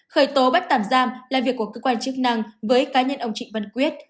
khởi tố bắt tạm giam là việc của cơ quan chức năng với cá nhân ông trịnh văn quyết